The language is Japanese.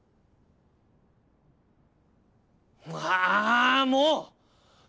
ああもう！